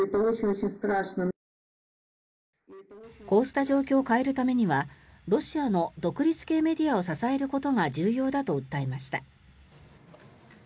こうした状況を変えるためにはロシアの独立系メディアを支えることが重要だと訴えました。